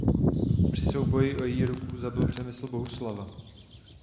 Při souboji o její ruku zabil Přemysl Bohuslava.